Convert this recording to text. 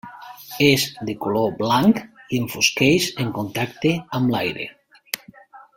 És de color blanc i enfosqueix en contacte amb l'aire.